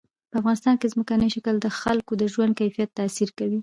په افغانستان کې ځمکنی شکل د خلکو د ژوند کیفیت تاثیر کوي.